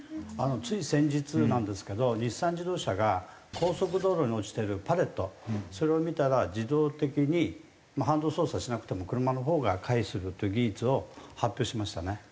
つい先日なんですけど日産自動車が高速道路に落ちてるパレットそれを見たら自動的にハンドル操作しなくても車のほうが回避するという技術を発表しましたね。